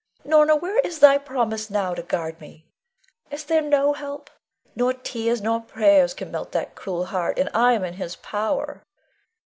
Norna, where is thy promise now to guard me? Is there no help? Nor tears nor prayers can melt that cruel heart, and I am in his power.